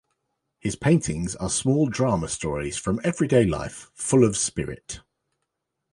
His paintings are small drama stories from everyday life, full of spirit.